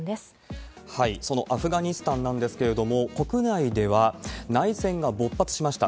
そのアフガニスタンなんですけれども、国内では内戦が勃発しました。